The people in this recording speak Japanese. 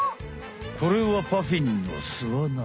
これはパフィンのすあな。